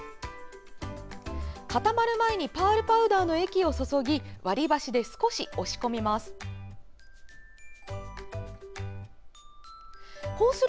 固まる前にパールパウダーの液を注ぎ割り箸で少し押し込みます。